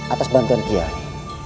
atas bantuan qiyai